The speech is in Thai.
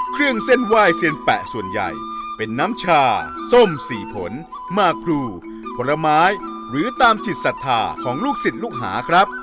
เครื่องเส้นไหว้เซียนแปะส่วนใหญ่เป็นน้ำชาส้มสี่ผลมากครูผลไม้หรือตามจิตศรัทธาของลูกศิษย์ลูกหาครับ